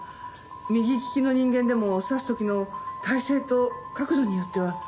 右利きの人間でも刺す時の体勢と角度によっては。